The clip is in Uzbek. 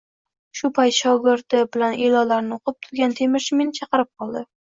Shu payt shogirdi bilan e`lonlarni o`qib turgan temirchi meni chaqirib qoldi